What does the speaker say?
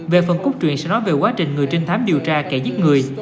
về phần cốt truyện sẽ nói về quá trình người trinh thám điều tra kẻ giết người